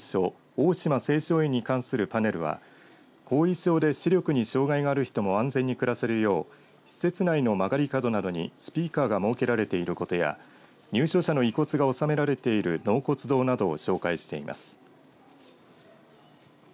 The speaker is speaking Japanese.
大島青松園に関するパネルは後遺症で視力に障害がある人も安全に暮らせるよう施設内の曲がり角などにスピーカーが設けられていることや入所者の遺骨が納められている納骨堂などを紹介しています。